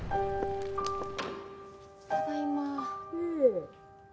ただいま。